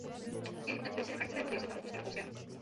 Její otec byl synem arcivévody Josefa Augusta Rakouského.